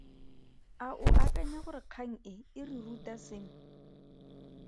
A o akanya gore kgang e e re ruta sengwe?